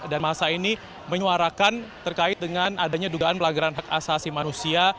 dan masa ini menyuarakan terkait dengan adanya dugaan pelagaran hak asasi manusia